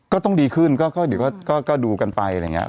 ก็ต้องดีขึ้นก็เดี๋ยวก็ดูกันไปอะไรอย่างนี้